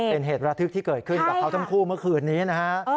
เป็นเหตุระทึกที่เกิดขึ้นกับเขาทั้งคู่เมื่อคืนนี้นะฮะ